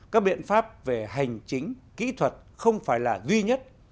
các biện pháp về hành chính kỹ thuật không phải là duy nhất